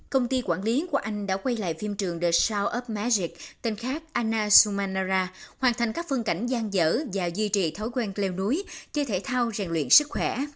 công ty quản lý của anh đã quay lại phim trường the sound of magic tên khác anna sumanara hoàn thành các phân cảnh gian dở và duy trì thói quen leo núi chơi thể thao rèn luyện sức khỏe